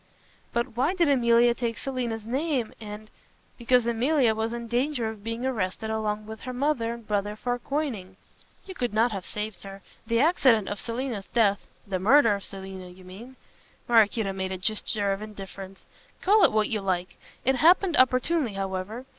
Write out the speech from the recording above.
"But why did Emilia take Selina's name and " "Because Emilia was in danger of being arrested along with her mother and brother for coining. You could not have saved her. The accident of Selina's death " "The murder of Selina, you mean." Maraquito made a gesture of indifference. "Call it what you like. It happened opportunely however.